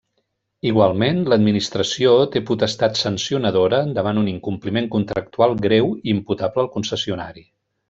Igualment l'administració té potestat sancionadora davant un incompliment contractual greu imputable al concessionari.